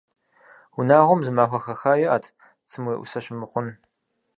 Унагъуэм зы махуэ хэха иӏэт цым уеӏусэ щымыхъун.